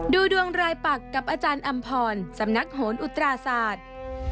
ดูดวงรายปักกับอาจารย์อำพรสำนักโหนอุตราศาสตร์